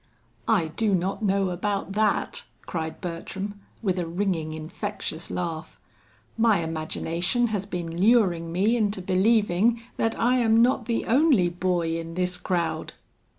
"I do not know about that," cried Bertram, with a ringing infectious laugh, "my imagination has been luring me into believing that I am not the only boy in this crowd."